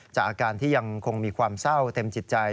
อาการที่ยังคงมีความเศร้าเต็มจิตใจ